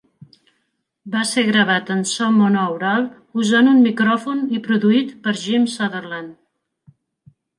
Va ser gravat en so monoaural usant un micròfon i produït per Jim Sutherland.